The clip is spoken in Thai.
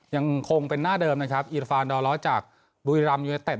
ยังคงเป็นหน้าเดิมนะครับอิราฟานดอล้อจากบุรีรัมยูเนเต็